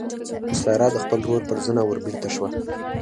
سارا د خپل ورور پر زنه وربېرته شوه.